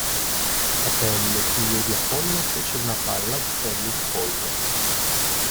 Apelle, figlio di Apollo fece una palla di pelle di pollo.